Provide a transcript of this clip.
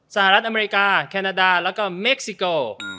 สหรัฐอเมริกาแคนาดาแล้วก็เม็กซิโก